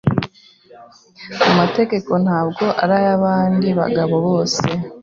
amategeko ntabwo arayabandi bagabo bose